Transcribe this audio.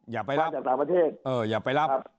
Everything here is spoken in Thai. อย่าไปรับแน่ครับอยากไปรับ